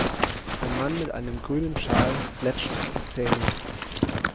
Ein Mann mit einem grünen Schal fletscht die Zähne.